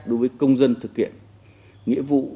đối với công dân thực hiện